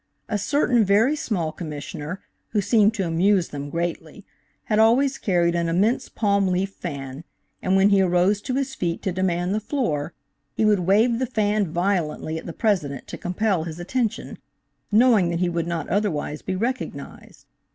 A certain very small Commissioner, who seemed to amuse them greatly, had always carried an immense palm leaf fan, and when he arose to his feet to demand the floor, he would wave the fan violently at the president to compel his attention, knowing that he would not otherwise be recognized.